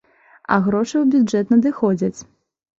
А грошы ў бюджэт надыходзяць.